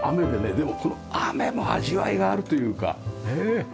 でもこの雨も味わいがあるというかね。